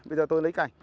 bây giờ tôi lấy cành